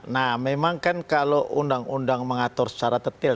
nah memang kan kalau undang undang mengatur secara detail